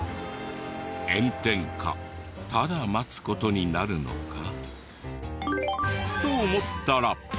炎天下ただ待つ事になるのか？と思ったら。